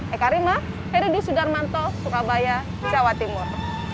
ekarima herody sudarmanto surabaya jawa timur